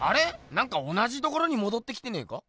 なんか同じところにもどってきてねえか？